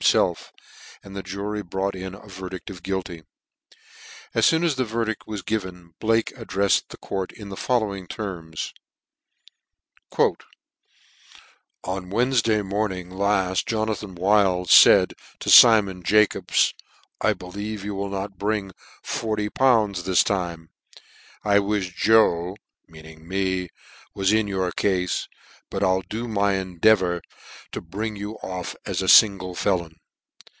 himfclf: and the jury brought in a verdict of guilty. As foon as the verdict was given Blake ad drefied the court in the following terms :" On " Wednefday morning lalt Jonathan Wild faid to ' Simon Jacobs*, I believe you will not bring " 40!. this time: I wifh Joe (meaning me) was " in your cafe ; but I'll do my endeavour to " bring you off as a fingle felon.